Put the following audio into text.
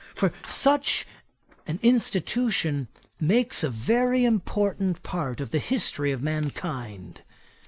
For such an institution makes a very important part of the history of mankind.